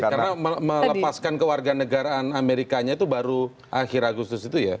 karena melepaskan ke warga negaraan amerikanya itu baru akhir agustus itu ya